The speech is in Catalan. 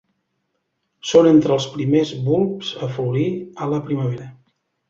Són entre els primers bulbs a florir a la primavera.